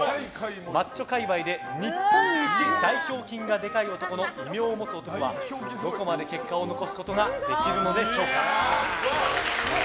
マッチョ界隈で日本一大胸筋がでかい男の異名を持つ男はどこまで結果を残すことができるのでしょうか。